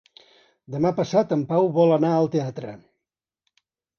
Demà passat en Pau vol anar al teatre.